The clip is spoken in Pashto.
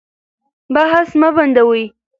بحث مه بندوئ.